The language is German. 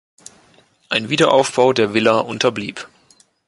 Ein Wiederaufbau der Villa unterblieb.